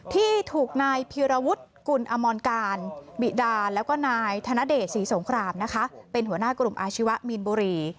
ที่ถูกนายพีรวุฒิกุลอมรการบิดาแล้วก็นายธนเดชศรีสงครามนะคะเป็นหัวหน้ากลุ่มอาชีวะมีนบุรี